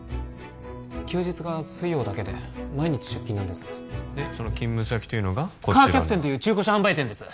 休日が水曜だけで毎日出勤なんですでその勤務先というのがカーキャプテンという中古車販売店です